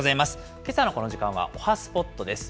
けさのこの時間は、おはＳＰＯＴです。